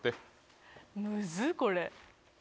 むずっ、これ。